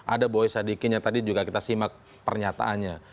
ada boy sadikin yang tadi juga kita simak pernyataannya